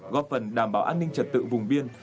góp phần đảm bảo an ninh trật tự vùng biên